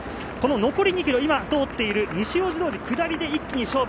残り２ｋｍ、今通っている西大路通の下りで一気に勝負。